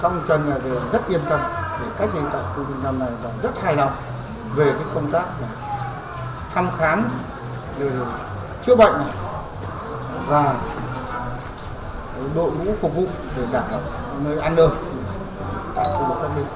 các ông trần rất yên tâm rất hài lòng về công tác thăm khám chữa bệnh và đội vũ phục vụ để đạt được nơi ăn đơn